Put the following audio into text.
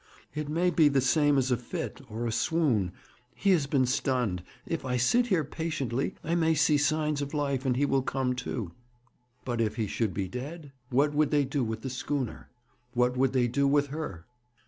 'It may be the same as a fit, or a swoon. He has been stunned. If I sit here patiently, I may see signs of life, and he will come to.' But, if he should be dead? What would they do with the schooner? What would they do with her?